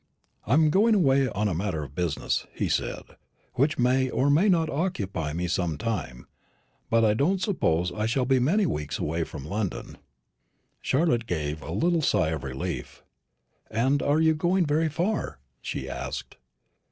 "I am going away on a matter of business," he said, "which may or may not occupy some time; but I don't suppose I shall be many weeks away from London." Charlotte gave a little sigh of relief. "And are you going very far?" she asked.